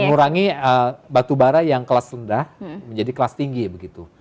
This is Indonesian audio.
mengurangi batubara yang kelas rendah menjadi kelas tinggi begitu